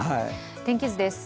天気図です。